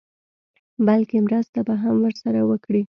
بلکې مرسته به هم ورسره وکړي.